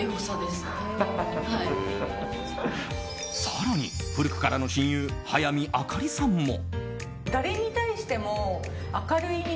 更に、古くからの親友早見あかりさんも。